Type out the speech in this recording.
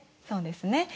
そうですね。